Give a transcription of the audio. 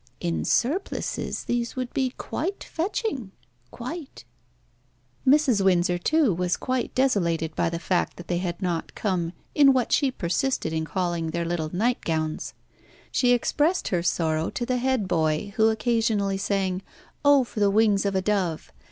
In surplices these would be quite fetching quite." Mrs. Windsor, too, was quite desolated by the fact that they had not come in what she persisted in calling their little nightgowns. She expressed her sorrow to the head boy, who occasionally sang "Oh! for the wings of a dove!"